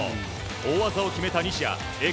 大技を決めた西矢。